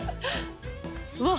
うわ！